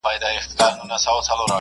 ماشومان د ټولني راتلونکی جوړوي.